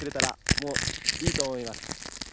もういいと思います。